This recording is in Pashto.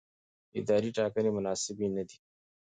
اداري ټاکنې مناسبې نه دي.